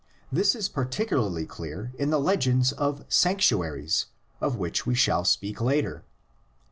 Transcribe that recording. This is particularly clear in the legends of sanctuaries, of which we shall speak later.